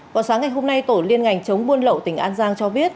vào sáng ngày hôm nay tổ liên ngành chống buôn lậu tỉnh an giang cho biết